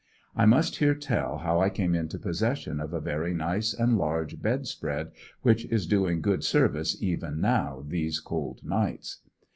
I must here tell how I came into possession of a very nice and large bed spread which is doing good service even now these cold nights.